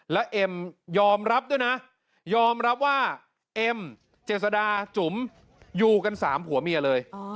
และเอ็มยอมรับด้วยนะยอมรับว่าเอ็มเจษดาจุ๋มอยู่กันสามผัวเมียเลย